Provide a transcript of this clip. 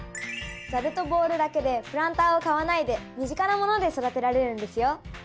ザルとボウルだけでプランターを買わないで身近なもので育てられるんですよ。